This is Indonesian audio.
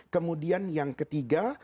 kemudian yang ketiga